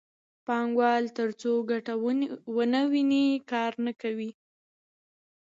پانګوال ترڅو ګټه ونه ویني کار نه کوي